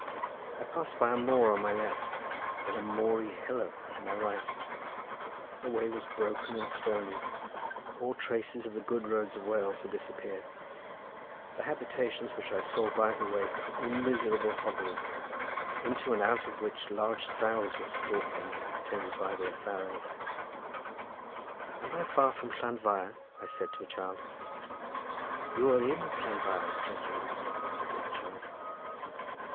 I passed by a moor on my left, then a moory hillock on my right; the way was broken and stony, all traces of the good roads of Wales had disappeared; the habitations which I saw by the way were miserable hovels into and out of which large sows were stalking, attended by their farrows. "Am I far from Llanfair?" said I to a child. "You are in Llanfair, gentleman," said the child.